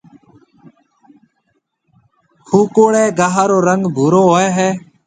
هوڪوڙيَ گها رو رنگ ڀورو هوئي هيَ۔